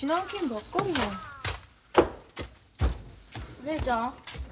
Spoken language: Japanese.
お姉ちゃん。